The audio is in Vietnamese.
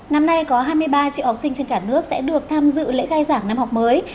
năm nay có hai mươi ba triệu học sinh trên cả nước sẽ được tham dự lễ khai giảng năm học mới